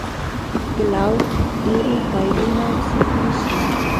کلاوډ ډېری فایلونه ساتلی شي.